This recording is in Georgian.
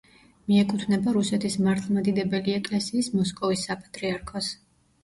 მიეკუთვნება რუსეთის მართლმადიდებელი ეკლესიის მოსკოვის საპატრიარქოს.